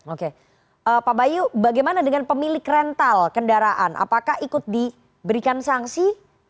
oke pak bayu bagaimana dengan pemilik rental kendaraan apakah ikut diberikan sanksi